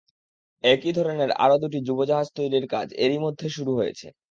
একই ধরনের আরও দুটি ডুবোজাহাজ তৈরির কাজ এরই মধ্যে শুরু হয়েছে।